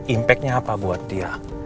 impactnya apa buat dia